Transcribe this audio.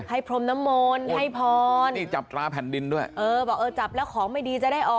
พรมน้ำมนต์ให้พรนี่จับตราแผ่นดินด้วยเออบอกเออจับแล้วของไม่ดีจะได้ออก